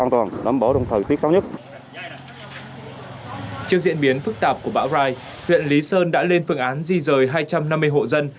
trước diễn biến phức tạp của bão rai huyện lý sơn đã lên phương án di rời hai trăm năm mươi hộ dân